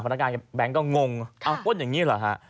อ๋อพนักงานแบงก์ก็งงปล้นอย่างนี้เหรอฮะ